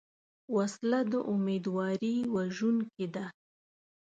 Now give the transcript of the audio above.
وسله د امیدواري وژونکې ده